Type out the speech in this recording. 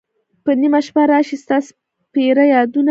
په نیمه شپه را شی ستا سپیره یادونه